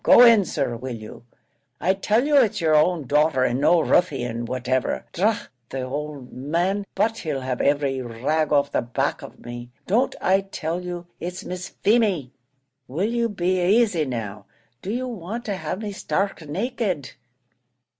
"Go in, sir, will you; I tell you it's yer own daughter, and no ruffian whatever. Dra the owld man, but he'll have every rag off the back of me! Don't I tell you, it's Miss Feemy. Will you be asy now? do you want to have me stark naked?"